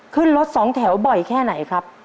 ขึ้นรถสองแถวบ่อยแค่ไหนครับ